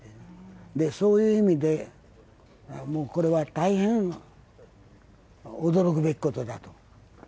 そういう意味で、もうこれは大変驚くべきことだと。